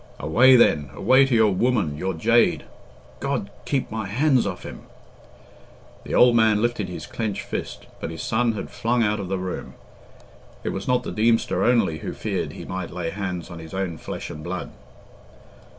"Away then away to your woman your jade! God, keep my hands off him!" The old man lifted his clenched fist, but his son had flung out of the room. It was not the Deemster only who feared he might lay hands on his own flesh and blood.